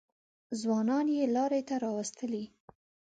ځوانان یې لارې ته راوستلي.